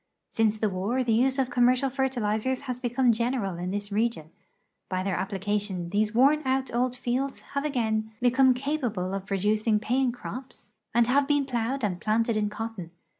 Since the war the use of commercial fertilizers has become gen eral in this region. B}^ their application these worn out old fields have again become capable of producing paying crops and have APPLIED rilYSlOGRAPIIY IX SOlTIf (AllOLISW ir,3 been plowed and planted in cotton.